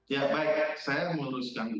ya baik saya mau tuliskan dulu